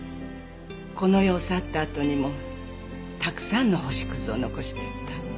この世を去ったあとにもたくさんの星屑を残していった。